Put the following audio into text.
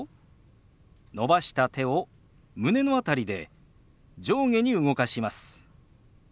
伸ばした手を胸の辺りで上下に動かします。